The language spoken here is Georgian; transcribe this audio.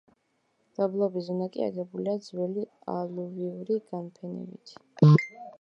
დაბლობი ზონა კი აგებულია ძველი ალუვიური განფენებით.